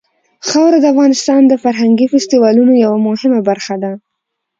خاوره د افغانستان د فرهنګي فستیوالونو یوه مهمه برخه ده.